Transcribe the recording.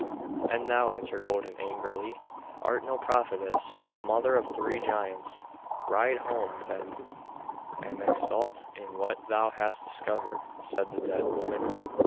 "And thou," answered Odin angrily, "art no prophetess, but the mother of three giants." "Ride home, then, and exult in what thou hast discovered," said the dead woman.